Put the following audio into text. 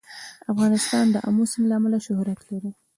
افغانستان د آمو سیند له امله شهرت لري.